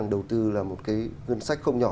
đầu tư là một ngân sách không nhỏ